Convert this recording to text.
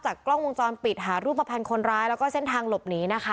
กล้องวงจรปิดหารูปภัณฑ์คนร้ายแล้วก็เส้นทางหลบหนีนะคะ